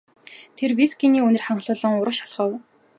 Тэр вискиний үнэр ханхлуулан урагш алхав.